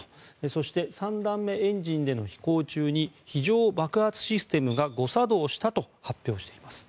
そして、３段目エンジンでの飛行中に非常爆発システムが誤作動したと発表しています。